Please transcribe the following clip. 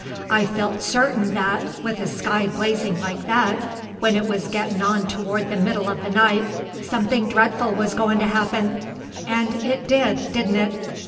I felt certain that, with a sky blazing like that, when it was gettin' on toward the middle of the night, something dreadful was goin' to happen; and it did, didn't it?